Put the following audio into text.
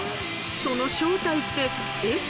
その正体ってえっ？